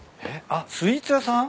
あっスイーツ屋さん？